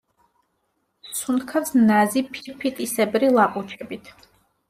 სუნთქავს ნაზი ფირფიტისებრი ლაყუჩებით.